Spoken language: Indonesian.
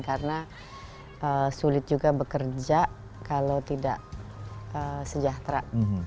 karena sulit juga bekerja kalau tidak sejahtera